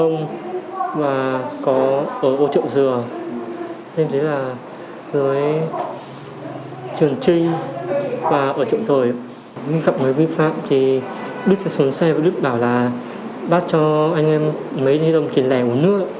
nguyễn đức anh bảo là bác cho anh em mấy triệu đồng kiến lẻ của nước